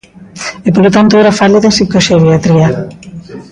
E, polo tanto, agora fale da psicoxeriatría.